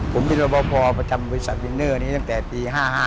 ผมเป็นบริษัทวินเนอร์นี้ตั้งแต่ปี๕๕